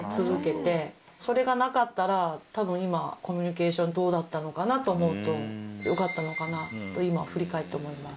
それがなかったらたぶん今コミュニケーションどうだったのかな？と思うとよかったのかなと今振り返って思います。